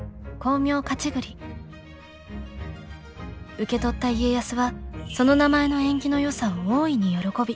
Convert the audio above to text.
受け取った家康はその名前の縁起のよさを大いに喜び